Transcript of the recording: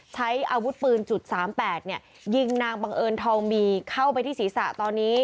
ใช้อาวุธปืนจุด๓๘ยิงนางบังเอิญทองมีเข้าไปที่ศีรษะตอนนี้